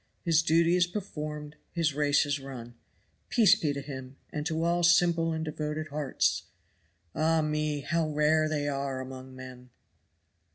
His duty is performed, his race is run. Peace be to him, and to all simple and devoted hearts. Ah me! how rare they are among men!